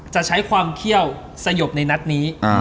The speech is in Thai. จะใช้ความเขี้ยวสยบในนัดนี้